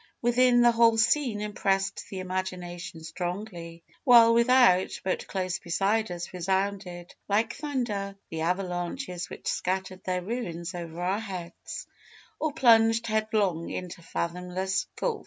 Within, the whole scene impressed the imagination strongly, while without, but close beside us, resounded, like thunder, the avalanches which scattered their ruins over our heads, or plunged headlong into fathomless gulfs.